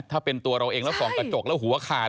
ถ้าเป็นตัวเราเองแล้วส่องกระจกแล้วหัวขาด